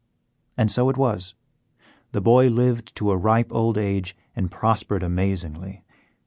And so it was; the boy lived to a ripe old age and prospered amazingly.